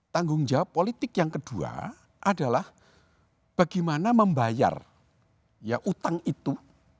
tanggung jawab politik yang kedua adalah bagaimana membayar utang itu